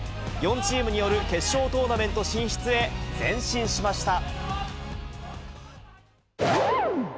４チームによる決勝トーナメント進出へ前進しました。